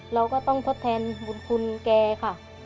เราก็ต้องทดแทนบุญคุณแกค่ะ